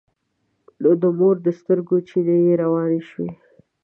نو د مور د سترګو چينې يې روانې شوې.